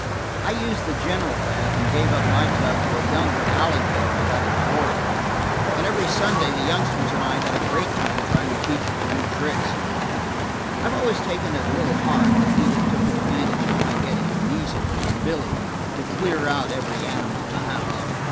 I used the general bath, and gave up my tub to a younger alligator I got in Florida, and every Sunday the youngsters and I had a great time trying to teach it to do tricks. I have always taken it a little hard that Edith took advantage of my getting the measles from Billy, to clear out every animal in the house.